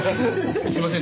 すいません